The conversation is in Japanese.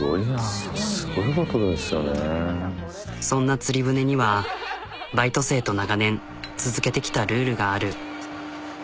そんなつり舟にはバイト生と長年続けてきたルールがある。